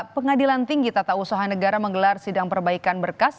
pengadilan tinggi tata usaha negara menggelar sidang perbaikan berkas